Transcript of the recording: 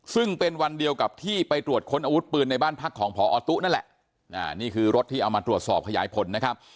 ซึ่งเป็นวันเดียวกับที่ไปตรวจค้นอาวุธปืนในบ้านพักของพอตุ๊นั่นแหละนี่คือรถที่เอามาตรวจสอบขยายผลนะครับ